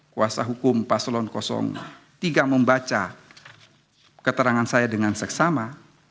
kuasa hukum paslon tiga membaca keterangan saya dengan seksama